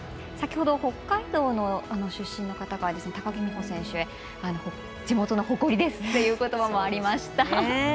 先ほど、北海道の出身の方が高木美帆選手へ地元の誇りですということばもありました。